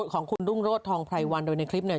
ของคุณรุ่งโรธทองไพรวันโดยในคลิปเนี่ย